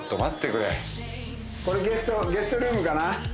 これゲストルームかな？